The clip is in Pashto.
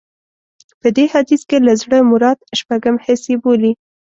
په دې حديث کې له زړه مراد شپږم حس يې بولي.